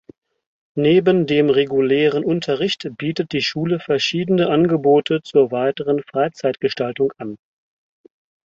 Neben dem regulären Unterricht bietet die Schule verschiedene Angebote zur weiteren Freizeitgestaltung an.